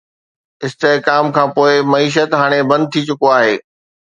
استحڪام کان پوء، معيشت هاڻي بند ٿي چڪو آهي